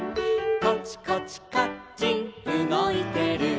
「コチコチカッチンうごいてる」